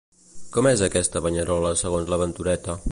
Com és aquesta banyerola segons la Ventureta?